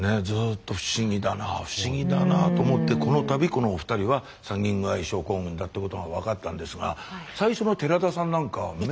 ずっと不思議だな不思議だなと思ってこの度このお二人はサギングアイ症候群だってことが分かったんですが最初の寺田さんなんかは。